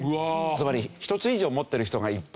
つまり１つ以上持っている人がいっぱいいる。